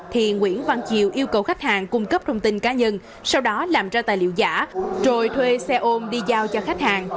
thì nguyễn văn chiều yêu cầu khách hàng cung cấp thông tin cá nhân sau đó làm ra tài liệu giả rồi thuê xe ôm đi giao cho khách hàng